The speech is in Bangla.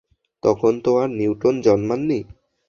তখন তা আর নিউটন জন্মাননি!